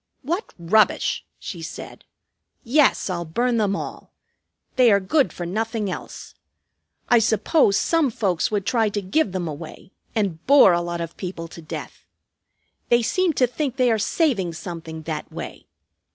"What rubbish!" she said. "Yes, I'll burn them all. They are good for nothing else. I suppose some folks would try to give them away, and bore a lot of people to death. They seem to think they are saving something, that way.